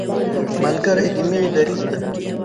ملګری د مینې دریځ دی